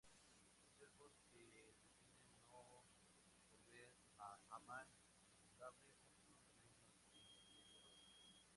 Los elfos que deciden no volver a Aman establecen sus reinos en Eriador.